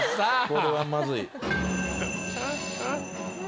これはまずい。